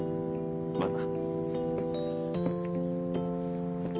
まあな。